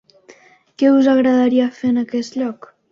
Què us agradaria fer en aquest lloc?